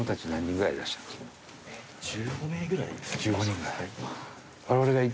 １５人ぐらい。